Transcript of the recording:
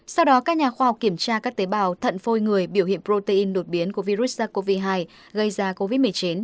sau đó các nhà khoa học kiểm tra các tế bào thận phôi người biểu hiện protein đột biến của virus sars cov hai gây ra covid một mươi chín